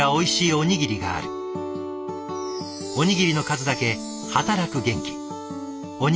おにぎりの数だけ働く元気。